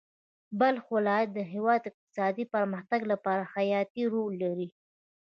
بلخ ولایت د هېواد د اقتصادي پرمختګ لپاره حیاتي رول لري.